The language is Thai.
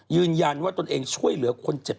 ยืนยันว่าตนเองช่วยเหลือคนเจ็บ